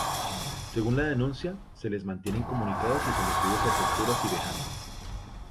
Según la denuncia, se les mantiene incomunicados y sometidos a torturas y vejámenes.